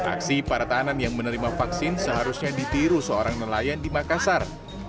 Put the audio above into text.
aksi para tahanan yang menerima vaksin seharusnya ditiru seorang nelayan di makassar